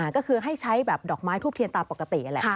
ก็คือให้ใช้แบบดอกไม้ทูบเทียนตามปกตินั่นแหละ